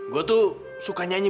gue tuh suka nyanyi